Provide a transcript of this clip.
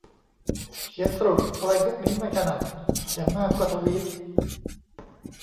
เขียนสรุปอะไรพวกนี้ไม่ถนัด อย่างมากก็ทวีต